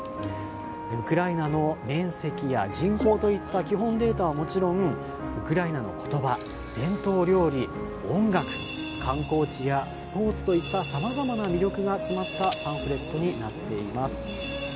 ウクライナの面積や人口といった基本データはもちろんウクライナの言葉伝統料理、音楽観光地やスポーツといったさまざまな魅力が詰まったパンフレットになっています。